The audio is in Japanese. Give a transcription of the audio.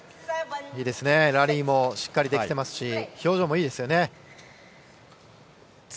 ラリーもしっかりできていますし表情もいいです。